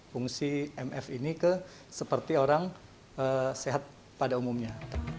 fungsi mf ini seperti orang sehat pada umumnya